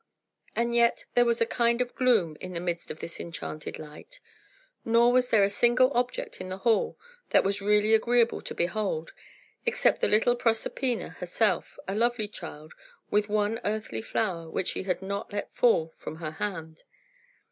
And yet there was a kind of gloom in the midst of this enchanted light; nor was there a single object in the hall that was really agreeable to behold, except the little Proserpina herself, a lovely child, with one earthly flower which she had not let fall from her hand.